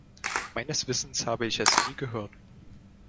Meines Wissens habe ich es nie gehört.